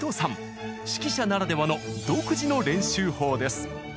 指揮者ならではの独自の練習法です。